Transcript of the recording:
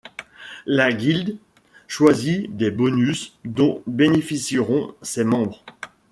La Guilde choisit des bonus dont bénéficieront ses membres.